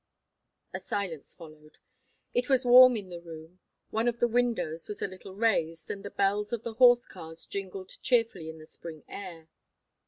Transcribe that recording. A silence followed. It was warm in the room. One of the windows was a little raised, and the bells of the horse cars jingled cheerfully in the spring air.